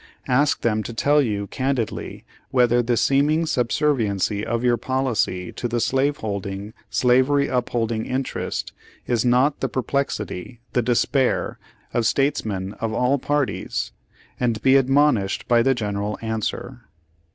Ask them to tell you candidly whether the seeming sub serviency of your policy to the slaveholding, slavery up holding interest, is not the perplexity, the despair, of statesmen of all parties; and be admonished by the general answer!